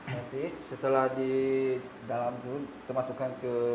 nanti setelah di dalam itu dimasukkan ke